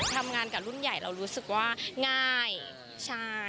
ทำงานกับรุ่นใหญ่เรารู้สึกว่าง่ายใช่